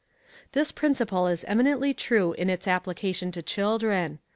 This principle is eminently true in its application to children.